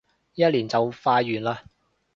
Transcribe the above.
一年就快完嘞